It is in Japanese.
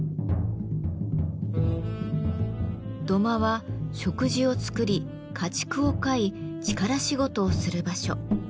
土間は食事を作り家畜を飼い力仕事をする場所。